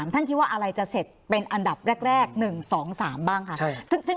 ท่านคิดว่าอะไรจะเสร็จเป็นอันดับแรก๑๒๓บ้างคะ